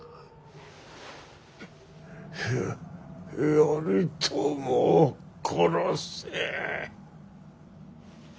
頼朝を殺せ。